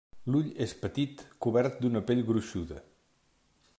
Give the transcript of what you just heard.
L'ull és petit cobert d'una pell gruixuda.